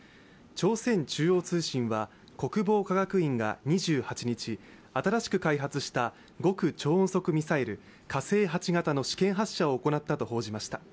朝鮮中央通信は国防科学院が２８日、新しく開発した極超音速ミサイル、火星８型の試験発射を行ったと報じました。